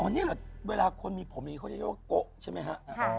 อ๋อนี่เวลาคนมีผมก็เขาเรียกว่ากโกะใช่ไหมฮะ